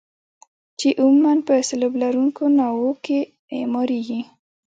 چې عموما په سلوب لرونکو ناوونو کې اعماریږي.